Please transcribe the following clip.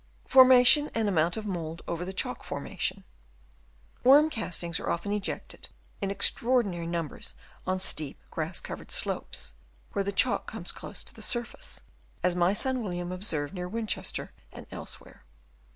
Formation and amount of mould over the Chalk Formation, — Worm castings are often ejected in extraordinary numbers on steep, grass covered slopes, where the Chalk comes close to the surface, as my son William observed near Winchester and elsewhere.